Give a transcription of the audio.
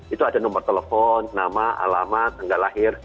itu ada nomor telepon nama alamat tanggal lahir